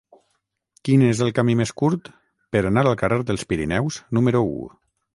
Quin és el camí més curt per anar al carrer dels Pirineus número u?